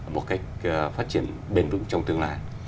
một cách phát triển bền vững trong tương lai